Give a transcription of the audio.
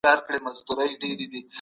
د سولي لار د هیوادونو د سوکالۍ لار ده.